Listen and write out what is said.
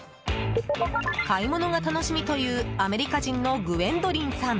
買い物が楽しみというアメリカ人のグウェンドリンさん。